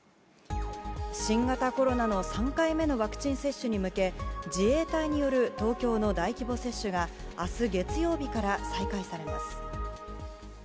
新型コロナの３回目のワクチン接種に向け自衛隊による東京の大規模接種が明日、月曜日から再開されます。